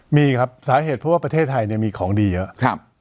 มีครับสาเหตุเพราะว่าประเทศไทยมีของดีเยอะ